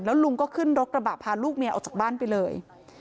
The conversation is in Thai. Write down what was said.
ลุงก็ขึ้นรถกระบะพาลูกเมียออกจากบ้านไปเลย